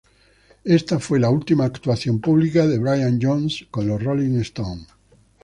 Ésta fue la última actuación pública de Brian Jones con los Rolling Stones.